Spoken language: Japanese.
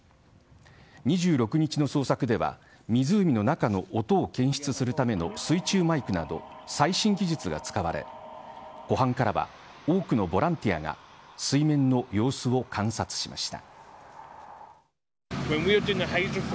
２６日の捜索では湖の中の音を検出するための水中マイクなど最新技術が使われ湖畔からは多くのボランティアが水面の様子を観察しました。